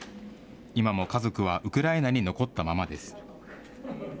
今も家族はウクライナに残ったままです。